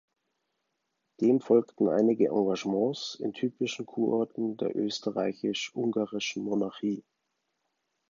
Dem folgten einige Engagements in typischen Kurorten der österreichisch-ungarischen Monarchie.